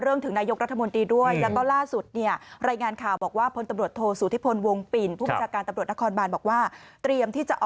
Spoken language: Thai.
เรื่องถึงนายกรัฐมนตรีด้วยแล้วก็ล่าสุดใน